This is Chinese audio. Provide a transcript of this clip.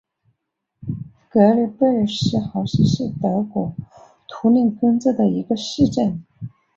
格尔贝尔斯豪森是德国图林根州的一个市镇。